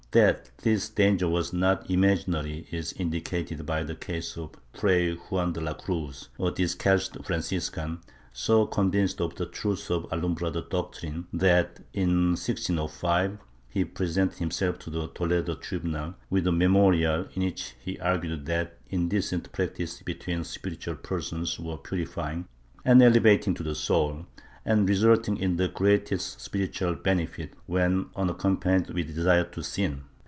^ That this danger was not imaginary is indicated by the case of Fray Juan de la Cruz, a discalced Franciscan, so convinced of the truth of alumbrado doctrine that, in 1605, he presented himself to the Toledo tribunal with a memorial in which he argued that indecent practices between spiritual persons were purifying and elevating to the soul, and resulting in the greatest spiritual benefit when unaccompanied with desire to sin.